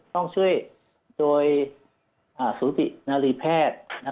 ต้องช่วยโดยสูตินารีแพทย์